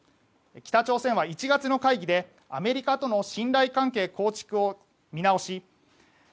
北朝鮮は１月の会議でアメリカとの信頼関係構築を見直し